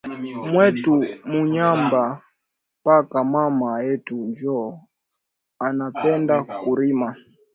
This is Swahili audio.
Mwetu mu nyumba paka mama yetu njo ana penda ku rima